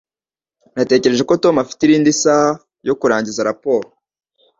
Natekereje ko Tom afite irindi saha yo kurangiza raporo.